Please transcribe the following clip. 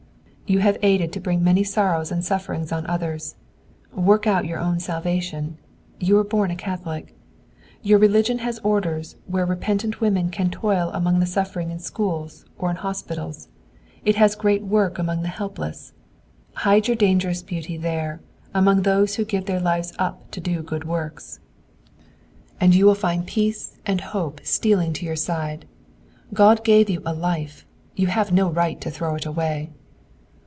"You have aided to bring many sorrows and sufferings on others! Work out your own salvation! You were born a Catholic. "Your religion has orders where repentant women can toil among the suffering in schools or in the hospitals. It has its great work among the helpless. Hide your dangerous beauty there, among those who give their lives up to good works. "And you will find peace and hope stealing to your side. God gave you a life; you have no right to throw it away."